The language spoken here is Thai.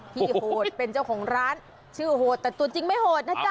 โหดเป็นเจ้าของร้านชื่อโหดแต่ตัวจริงไม่โหดนะจ๊